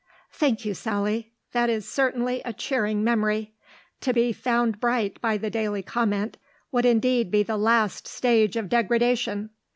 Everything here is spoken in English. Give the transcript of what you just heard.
"Thank you, Sally. That is certainly a cheering memory. To be found bright by the Daily Comment would indeed be the last stage of degradation....